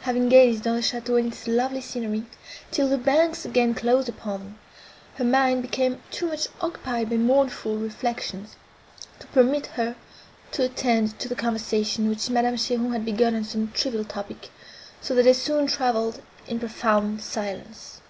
Having gazed on the château and its lovely scenery, till the banks again closed upon them, her mind became too much occupied by mournful reflections, to permit her to attend to the conversation, which Madame Cheron had begun on some trivial topic, so that they soon travelled in profound silence.